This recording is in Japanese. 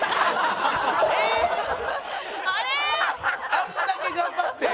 あんだけ頑張って？